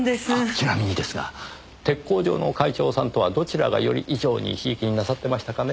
ちなみにですが鉄工所の会長さんとはどちらがより以上に贔屓になさってましたかね？